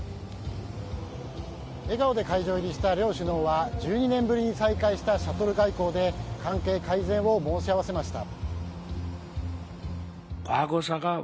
笑顔で会場入りした両首脳は１２年ぶりに再開したシャトル外交で関係改善を申し合わせました。